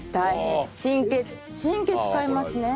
神経神経使いますね。